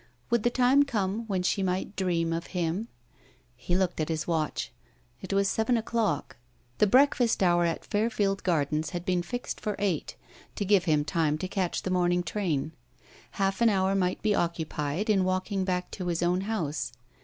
Would the time come when she might dream of him? He looked at his watch. It was seven o'clock. The breakfast hour at Fairfield Gardens had been fixed for eight, to give him time to catch the morning train. Half an hour might be occupied in walking back to his own house.